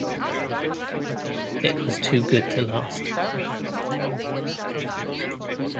It was too good to last.